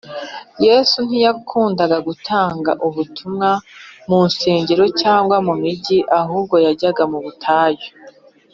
Yesu ntiyakundaga gutangira ubutumwa munsengero cyangwa mu migi ahubwo yajyaga mu butayu